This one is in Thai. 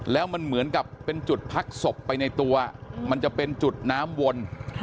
แล้วมันเหมือนกับเป็นจุดพักศพไปในตัวมันจะเป็นจุดน้ำวน